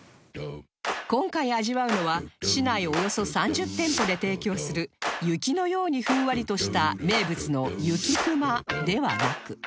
今回味わうのは市内およそ３０店舗で提供する雪のようにふんわりとした名物の雪くまではなく